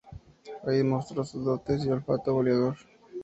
Ahí demostró sus dotes y olfato goleador.